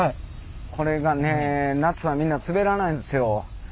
これがね夏はみんなすべらないんですよ。